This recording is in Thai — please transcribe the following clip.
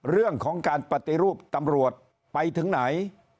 เรื่องของการปฏิรูปตำรวจไปถึงไหน